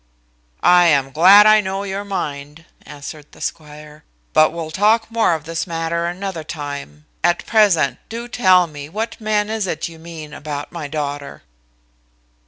"I am glad I know your mind," answered the squire. "But we'll talk more of this matter another time. At present, do tell me what man is it you mean about my daughter?"